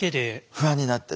不安になって。